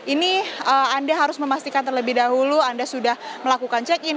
ini anda harus memastikan terlebih dahulu anda sudah melakukan check in